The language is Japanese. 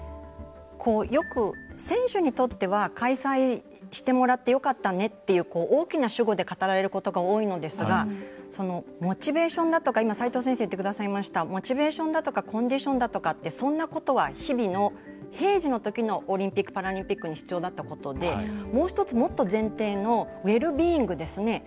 よく選手にとっては開催してもらってよかったねっていう大きな主語で語られることが多いのですがモチベーションだとか今、斎藤先生が言ってくださいましたモチベーションだとかコンディションだとかってそんなことは日々の、平時のときのオリンピック・パラリンピックに必要だったことでもう１つ、もっと前提のウェルビーイングですね。